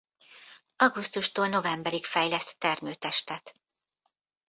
Augusztustól novemberig fejleszt termőtestet.